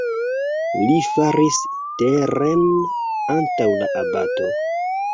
Li falis teren antaŭ la abato.